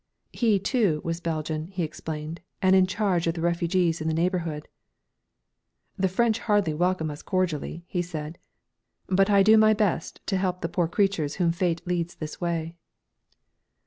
He, too, was Belgian, he explained, and in charge of the refugees in the neighbourhood. "The French hardly welcome us cordially," he said, "but I do my best to help the poor creatures whom Fate leads this way."